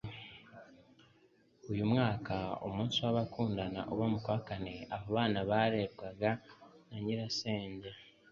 Uyu mwaka, umunsi w'abakundana uba ku wa kane. Abo bana barerwaga na nyirasenge.